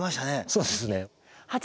そうですね。